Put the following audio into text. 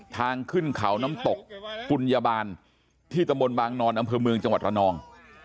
ทางขึ้นเขาน้ำตกปุญญาบาลที่ตำบลบางนอนอำเภอเมืองจังหวัดระนอง